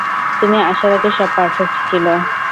তুমি আসার আগে সব পার্ফেক্ট ছিল।